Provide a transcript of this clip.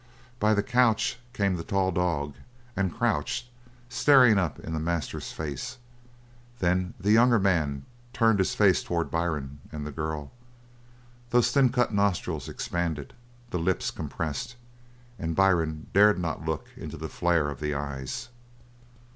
By the couch came the tall dog, and crouched, staring up in the master's face; then the younger man turned his face towards Byrne and the girl. Those thin cut nostrils expanded, the lips compressed, and Byrne dared not look into the flare of the eyes.